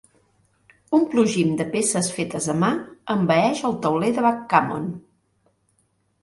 Un plugim de peces fetes a mà envaeix el tauler de backgammon.